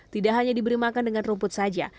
tidak hanya diberi makan dengan rumput saja